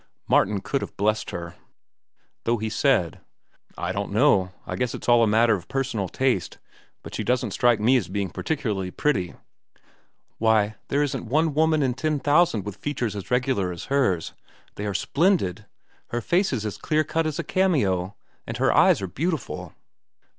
Martin could have blessed her, though he said: "I don't know. I guess it's all a matter of personal taste, but she doesn't strike me as being particularly pretty." "Why, there isn't one woman in ten thousand with features as regular as hers. They are splendid. Her face is as clear cut as a cameo. And her eyes are beautiful."